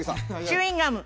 チューインガム！